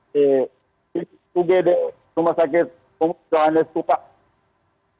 di ubd rumah sakit umum soal anies kupang